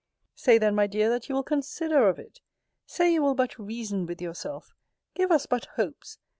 Say then, my dear, that you will consider of it. Say you will but reason with yourself. Give us but hopes.